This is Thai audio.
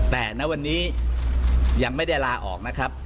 แต่ณวันนี้ยังไม่ได้ลาออกนะครับ